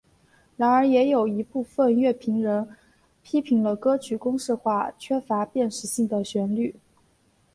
然而也有一部分乐评人批评了歌曲公式化缺乏辨识性的旋律。